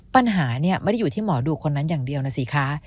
ปัญหาเนี่ยไม่ได้อยู่ที่หมอดูคนนั้นอย่างเดียวนะสิคะ